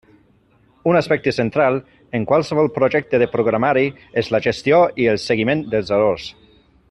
Un aspecte central en qualsevol projecte de programari és la gestió i el seguiment dels errors.